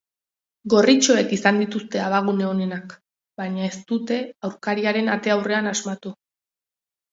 Gorritxoek izan dituzte abagune onenak, baina ez dute aurkariaren ate aurrean asmatu.